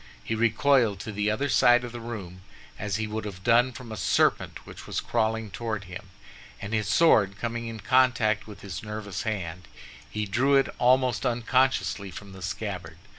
He recoiled to the other side of the room as he would have done from a serpent which was crawling toward him, and his sword coming in contact with his nervous hand, he drew it almost unconsciously from the scabbard.